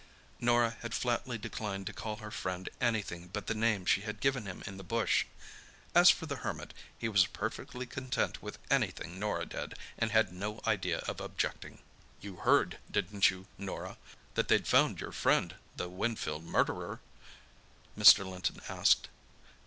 Norah had flatly declined to call her friend anything but the name she had given him in the bush. As for the Hermit, he was perfectly content with anything Norah did and had no idea of objecting. "You heard, didn't you, Norah, that they'd found your friend, the Winfield murderer?" Mr. Linton asked.